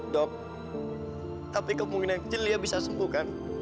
dok tapi kemungkinan kecil dia bisa sembuh kan